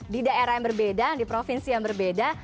di daerah yang berbeda di provinsi yang berbeda